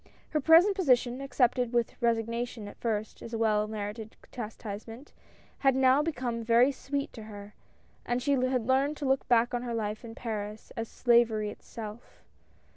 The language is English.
Her present position, accepted with resignation at first as a well merited chastisement, had now become very sweet to her, and she had learned to look back on her life in Paris as slavery itself.